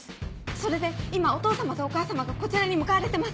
それで今お父様とお母様がこちらに向かわれてます。